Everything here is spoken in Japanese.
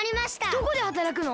どこではたらくの？